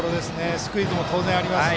スクイズも当然ありますし。